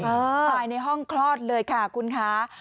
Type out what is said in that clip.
ภายในห้องคลอดเลยค่ะคุณคะ